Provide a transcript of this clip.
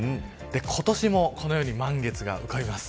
今年もこのように満月が浮かびます。